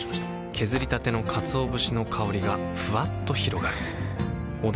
削りたてのかつお節の香りがふわっと広がるはぁ。